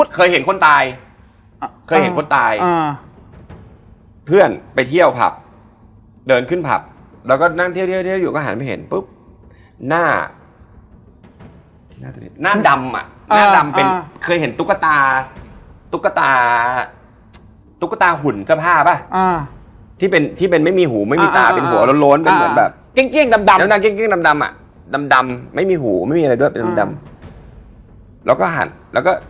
เจ๊โน้ตก็เตือนกันว่าอย่าเล่นหน้าที่มีเขาศักดิ์สิทธิ์มาก